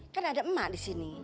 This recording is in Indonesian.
kan ada emak disini